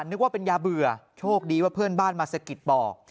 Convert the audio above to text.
นึกว่าเป็นยาเบื่อโชคดีว่าเพื่อนบ้านมาสะกิดบ่อ